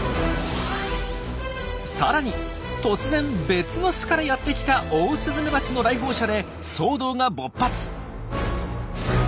さらに突然別の巣からやって来たオオスズメバチの来訪者で騒動が勃発。